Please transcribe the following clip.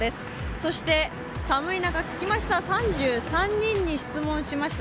そして寒い中、聞きました、３３人に聞きました。